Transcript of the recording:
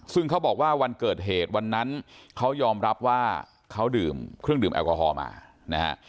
ซึ่งเขาบอกว่าวันเกิดเหตุวันนั้นเขายอมรับว่าเขาดื่มเครื่องดื่มแอลกอฮอล์มานะฮะ